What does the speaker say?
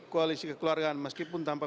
koalisi kekeluargaan meskipun tanpa